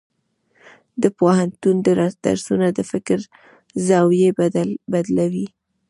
د پوهنتون درسونه د فکر زاویې بدلوي.